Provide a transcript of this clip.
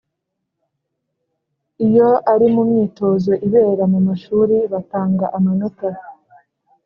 Iyo ari mu myitozo ibera mu mashuri batanga amanota